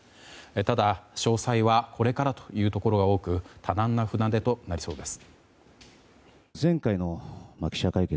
ただ詳細はこれからというところが多く多難な船出となりそうです。